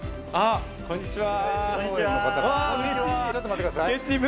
こんにちは。